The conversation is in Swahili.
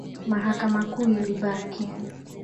Mahakama Kuu ilibaki.